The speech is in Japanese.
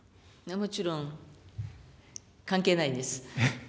もちろん、関係ないです。